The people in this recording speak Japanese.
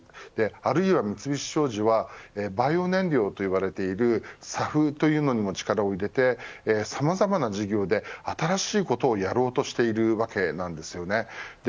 あるいは三菱商事はバイオ燃料と呼ばれているＳＡＦというにも力を入れてさまざまな事業で新しいことをやろうとしているわけなんですよね。